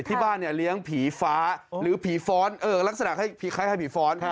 ที่บ้านเนี่ยเลี้ยงผีฟ้าลักษณะชาญให้พี่ฟ้าน